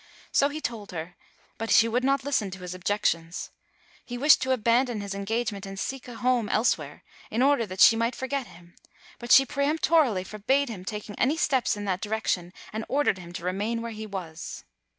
So he told her, but she would not listen to his objections. He wished to abandon his en gagement and seek a home else where, in order that she might forget him, but she peremptorily forbade his taking any step in that direction, and ordered him to remain where he was.